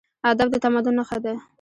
ادب د تمدن نښه ده.